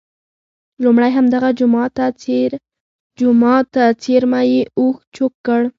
لومړی همدغه جوما ته څېرمه یې اوښ چوک کړ.